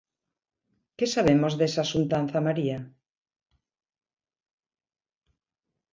Que sabemos desa xuntanza, María?